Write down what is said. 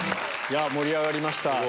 盛り上がりました。